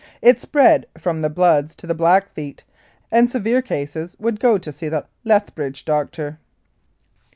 It spread from the Bloods to the Blackfeet, and severe cases would go to see the Lethbridge doctor.